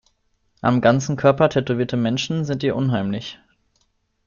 Am ganzen Körper tätowierte Menschen sind ihr unheimlich.